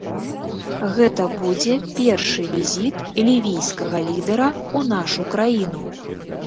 Гэта будзе першы візіт лівійскага лідэра ў нашу краіну.